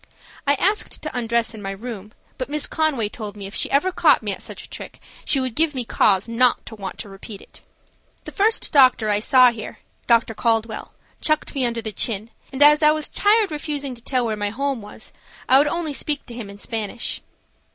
I asked to undress in my room, but Miss Conway told me if she ever caught me at such a trick she would give me cause not to want to repeat it. The first doctor I saw here–Dr. Caldwell–chucked me under the chin, and as I was tired refusing to tell where my home was, I would only speak to him in Spanish.